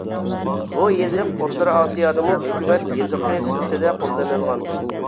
بۇ يېزىق ئوتتۇرا ئاسىيادىمۇ ھۆكۈمەت يېزىقى سۈپىتىدە قوللىنىلغان.